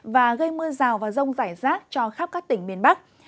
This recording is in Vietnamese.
và gây mưa rào và rông rải rác cho khắp các tỉnh miền bắc